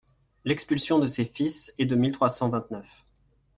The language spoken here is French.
L'expulsion de ses fils est de mille trois cent vingt-neuf.